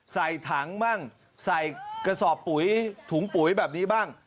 ใส่ถังบ้างใส่กระสอบปุ๋ยถุงปุ๋ยแบบนี้บ้าง